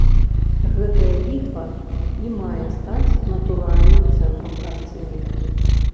Гэтая бітва і мае стаць натуральным цэнтрам карціны.